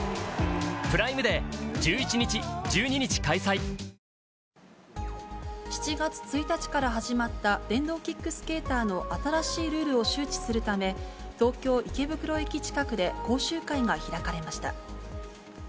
また、九州では次の週末にかけても雨の降る日が多く、７月１日から始まった電動キックスケーターの新しいルールを周知するため、東京・池袋駅近くで講習会が開かれました。